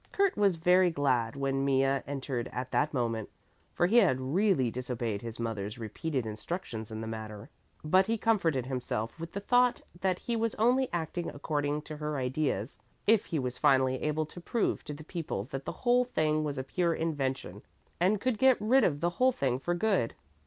Kurt was very glad when Mea entered at that moment, for he had really disobeyed his mother's repeated instructions in the matter. But he comforted himself with the thought that he was only acting according to her ideas if he was finally able to prove to the people that the whole thing was a pure invention and could get rid of the whole thing for good.